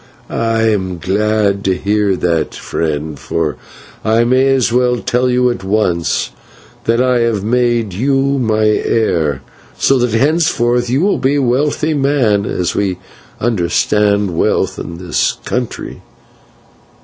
"I am glad to hear that, friend, for I may as well tell you at once that I have made you my heir, so that henceforth you will be a wealthy man as we understand wealth in this country."